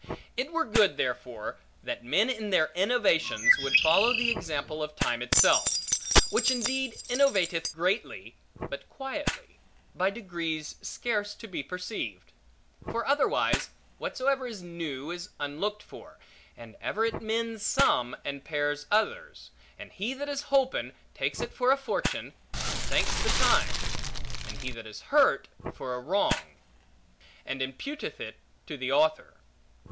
It were good, therefore, that men in their innovations would follow the example of time itself; which indeed innovateth greatly, but quietly, by degrees scarce to be perceived. For otherwise, whatsoever is new is unlooked for; and ever it mends some, and pairs others; and he that is holpen, takes it for a fortune, and thanks the time; and he that is hurt, for a wrong, and imputeth it to the author.